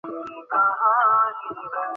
তোমাকে ঘোড়া পাহারার দায়িত্ব দিয়েছিলাম।